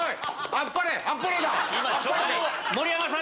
あっぱれだ！